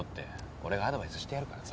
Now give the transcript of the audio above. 俺がアドバイスしてやるからさ。